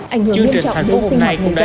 ảnh hưởng đến trọng nguyên sinh hoạt hệ dân